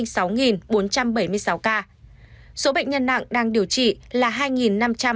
số bệnh nhân nặng đang điều trị là hai năm trăm bốn mươi một ca